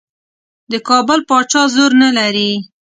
د کابل پاچا زور نه لري.